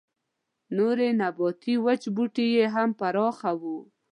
نور نباتي وچ بوټي يې هم پراته وو.